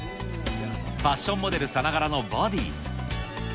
ファッションモデルさながらのボディ。